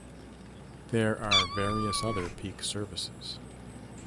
There are various other peak services.